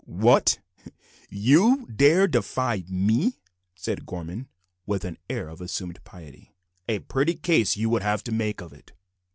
"What! you dare to defy me?" said Gorman, with an air of assumed pity. "A pretty case you would have to make out of it.